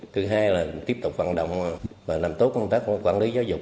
thứ hai là tiếp tục hoạt động và làm tốt công tác quản lý giáo dục